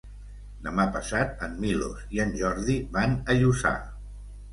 Demà passat en Milos i en Jordi van a Lluçà.